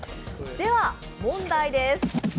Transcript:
では問題です。